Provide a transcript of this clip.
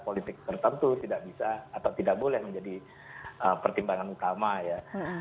politik tertentu tidak bisa atau tidak boleh menjadi pertimbangan utama ya